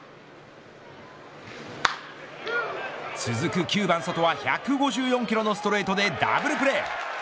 続く９番ソトは１５４キロのストレートでダブルプレー。